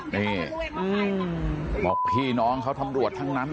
หือมมบอกพี่น้องทำรวจทั้งนั้น